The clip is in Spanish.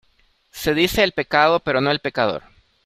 Se dice el pecado, pero no el pecador.